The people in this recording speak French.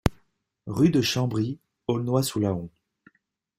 Rue de Chambry, Aulnois-sous-Laon